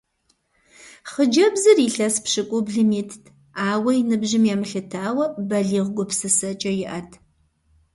Хъыджэбзыр илъэс пщыкӀублым итт, ауэ, и ныбжьым емылъытауэ, балигъ гупсысэкӀэ иӀэт.